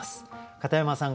片山さん